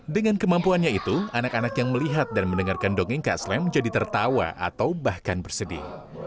dengan kemampuannya itu anak anak yang melihat dan mendengarkan dongeng kak slem jadi tertawa atau bahkan bersedih